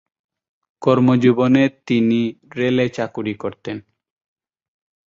কর্মজীবনে তিনি রেলে চাকুরি করতেন।